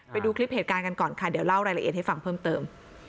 ไปดูคลิปเหตุการณ์กันก่อนค่ะเดี๋ยวเล่ารายละเอียดให้ฟังเพิ่มเติม